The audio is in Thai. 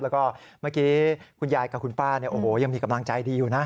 แล้วก็เมื่อกี้คุณยายกับคุณป้าเนี่ยโอ้โหยังมีกำลังใจดีอยู่นะ